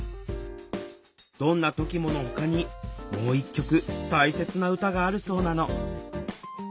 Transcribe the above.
「どんなときも。」のほかにもう一曲大切な歌があるそうなの